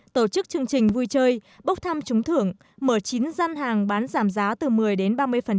tổ chức chương trình vui chơi bốc thăm trúng thưởng mở chín gian hàng bán giảm giá từ một mươi đến ba mươi